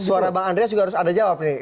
suara bang andreas juga harus ada jawab nih